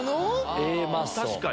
確かに。